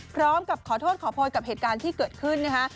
พร้อมกับขอโทษขอโพยกับเหตุการณ์ที่เกิดขึ้นนะคะ